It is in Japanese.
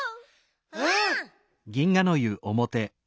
うん！